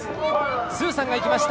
スーサンがいきました。